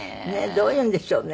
どういうんでしょうね。